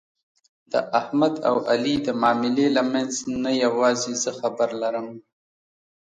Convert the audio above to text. د احمد او علي د معاملې له منځ نه یووازې زه خبر لرم.